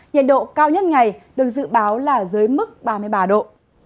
nhiệt độ cao nhất ngày được dự báo là dưới mức ba mươi ba độ